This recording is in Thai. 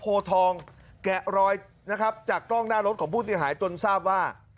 โพทองแกะรอยนะครับจากกล้องหน้ารถของผู้เสียหายจนทราบว่า